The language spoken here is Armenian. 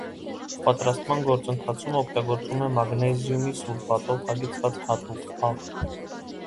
Պատրաստման գործընթացում օգտագործվում է մագնեզիումի սուլֆատով հագեցած հատուկ աղ։